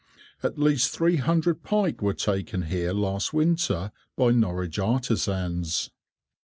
At least three hundred pike were taken here last winter by Norwich artisans.